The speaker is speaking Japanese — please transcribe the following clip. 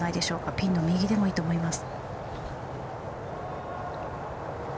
ピンの右でもいいと思います。